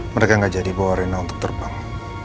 mereka nggak jadi bawa rena untuk terbang